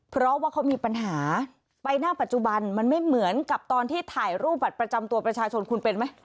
เพราะว่าเขามีปัญหาไปหน้าปัจจุบันมันไม่เหมือนกับตอนที่ถ่ายรูปบัตรประจำตัวประชาชนคุณเป็นไหม